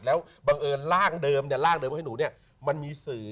แล้วบังเอิญล่างเดิมให้หนูเนี่ยมันมีสื่อ